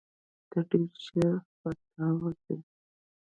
ته ډېر ژر ختاوزې !